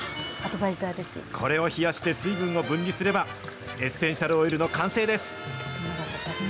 これを冷やして水分を分離すれば、エッセンシャルオイルの完成です。